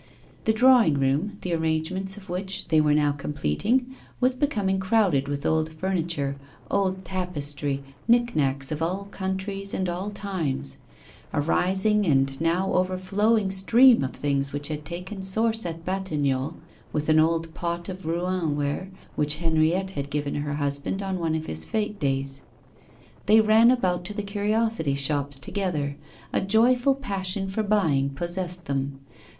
The drawing room, the arrangements of which they were now completing, was becoming crowded with old furniture, old tapestry, nick nacks of all countries and all times a rising and now overflowing stream of things which had taken source at Batignolles with an old pot of Rouen ware, which Henriette had given her husband on one of his fête days. They ran about to the curiosity shops together; a joyful passion for buying possessed them.